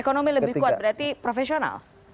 ekonomi lebih kuat berarti profesional